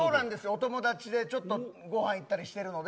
お友達でちょっとごはん行ったりしているので。